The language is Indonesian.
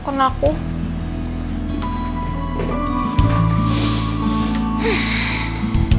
akhirnya gak kaku lagi